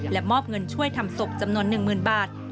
มอบเงินช่วยทำศพจำนวน๑๐๐๐บาท